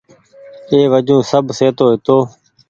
اي وجون سب سهيتو هيتو۔